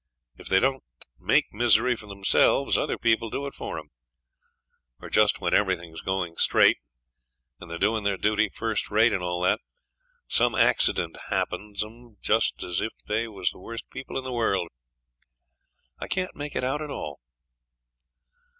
If they don't make misery for themselves other people do it for 'em; or just when everything's going straight, and they're doing their duty first rate and all that, some accident happens 'em just as if they was the worst people in the world. I can't make it out at all.